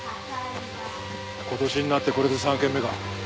今年になってこれで３軒目か。